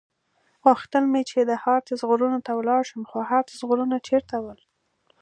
غوښتل مې چې د هارتز غرونو ته ولاړ شم، خو هارتز غرونه چېرته ول؟